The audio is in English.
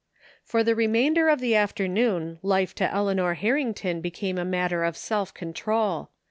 For the remainder of the afternoon life to Eleanor Harrington became a matter of self control.